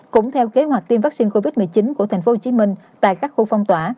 cũng theo kế hoạch tiêm vaccine covid một mươi chín của tp hcm tại các khu phong tỏa